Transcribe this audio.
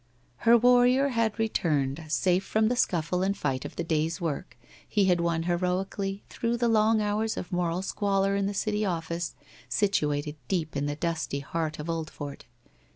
... Her warrior had returned, safe from the scuffle and fight of the day's work, he had won heroically through the long hours of moral squalor in the city office, situated deep in the dusty heart of Oldfort.